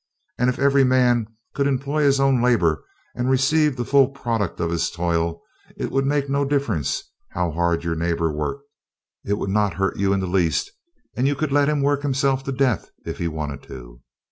And if every man could employ his own labor and receive the full product of his toil it would make no difference how hard your neighbor worked, it would not hurt you in the least, and you could let him work himself to death if he wanted to.